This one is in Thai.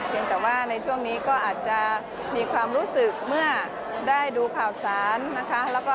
เพียงแต่ว่าในช่วงนี้ก็อาจจะมีความรู้สึก